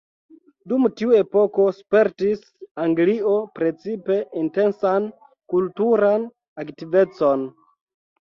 Dum tiu epoko spertis Anglio precipe intensan kulturan aktivecon.